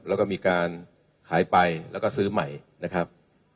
แล้วก็มีการขายไปแล้วก็ซื้อใหม่นะครับ